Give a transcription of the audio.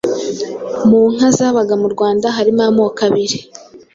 mu nka zabaga mu Rwanda harimo amoko abiri